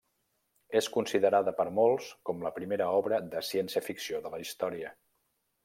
És considerada per molts com la primera obra de ciència-ficció de la història.